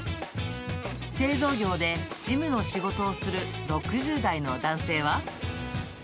製造業で事務の仕事をする６０代の男性は。